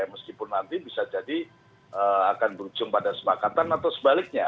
meskipun nanti bisa jadi akan berujung pada sepakatan atau sebaliknya